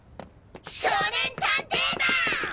少年探偵団！